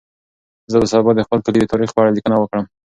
زه به سبا د خپل کلي د تاریخ په اړه لیکنه وکړم.